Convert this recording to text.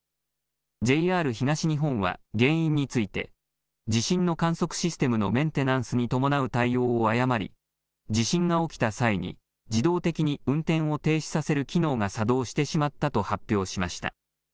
ＪＲ東日本は原因について、地震の観測システムのメンテナンスに伴う対応を誤り、地震が起きた際に自動的に運転を停止させる機能が作動してしまったと発表しました。